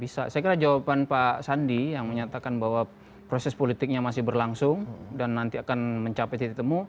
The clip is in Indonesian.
saya kira jawaban pak sandi yang menyatakan bahwa proses politiknya masih berlangsung dan nanti akan mencapai titik temu